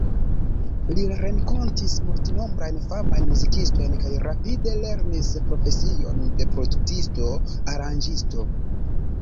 Li renkontis multnombrajn famajn muzikistojn kaj rapide lernis profesion de produktisto, aranĝisto.